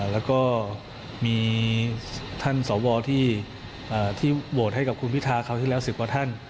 แล้วก็มีท่านสวที่โหวตให้กับคุณพิทาคราวที่แล้ว๑๐กว่าท่าน